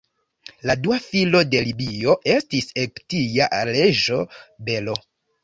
La dua filo de Libio estis egiptia reĝo Belo.